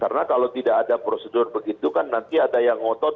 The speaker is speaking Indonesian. karena kalau tidak ada prosedur begitu kan nanti ada yang ngotot